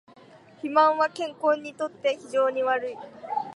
肥満は健康にとって非常に悪い